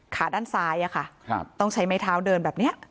ขาด้านซ้ายอะค่ะต้องใช้ไม้เท้าเดินแบบนี้